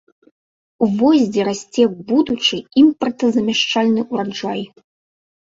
Вось дзе расце будучы імпартазамяшчальны ўраджай!